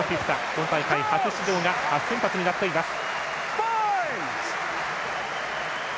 今大会、初出場が初先発になっています。